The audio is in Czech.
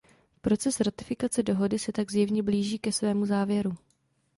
Proces ratifikace dohody se tak zjevně blíží ke svému závěru.